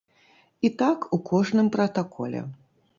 І так у кожным пратаколе.